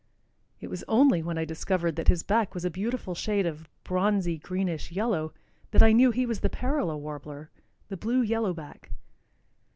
It was only when I discovered that his back was a beautiful shade of bronzy greenish yellow that I knew he was the parula warbler, the blue yellow back.